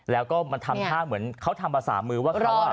แล้วก็มันทำท่าเหมือนเขาทำภาษามือว่าเขา